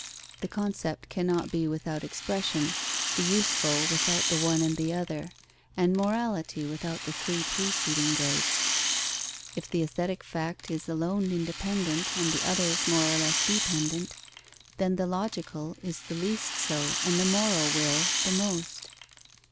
The concept cannot be without expression, the useful without the one and the other, and morality without the three preceding grades. If the aesthetic fact is alone independent, and the others more or less dependent, then the logical is the least so and the moral will the most.